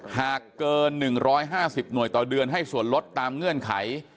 หากเกิน๑๕๐หน่วยต่อเดือนให้ส่วนลดตามเงื่อนไข